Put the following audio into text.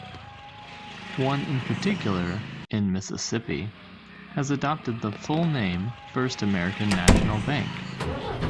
One in particular, in Mississippi, has adopted the full name "First American National Bank".